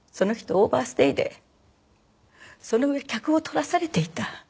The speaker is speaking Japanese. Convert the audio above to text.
オーバーステイでその上客を取らされていた。